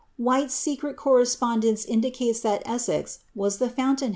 Wliyte's secret correspondence indicates thai E^ses was the fouTi'.J!